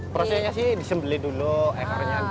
prosesnya sih disembeli dulu ekornya